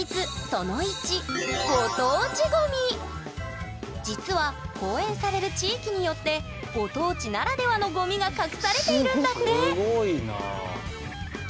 その１実は公演される地域によってご当地ならではのゴミが隠されているんだって！すごくね？